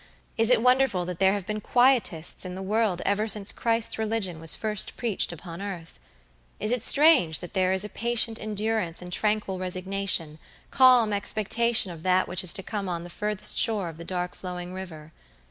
Is it wonderful that there have been quietists in the world ever since Christ's religion was first preached upon earth. Is it strange that there is a patient endurance and tranquil resignation, calm expectation of that which is to come on the further shore of the dark flowing river?